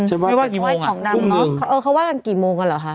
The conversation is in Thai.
ไม่ไหว้กี่โมงไหว้ของดำพรุ่งนึงเออเขาไหว้กันกี่โมงกันเหรอฮะ